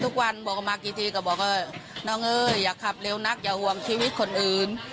ทุกวันบอกมากี่ทีก็บอกว่าน้องเอ้ยอย่าขับเร็วนักอย่าห่วงชีวิตคนอื่น